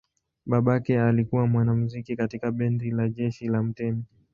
Babake alikuwa mwanamuziki katika bendi la jeshi la mtemi.